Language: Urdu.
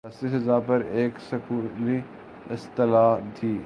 ریاستی سطح پر ایک سکولی اصطلاح تھِی